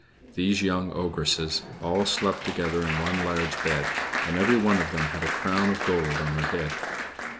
These young ogresses all slept together in one large bed, and every one of them had a crown of gold on her head.